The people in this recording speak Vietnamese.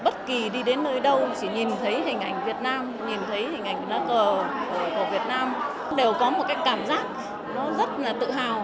bất kỳ đi đến nơi đâu chỉ nhìn thấy hình ảnh việt nam nhìn thấy hình ảnh lá cờ của việt nam đều có một cái cảm giác nó rất là tự hào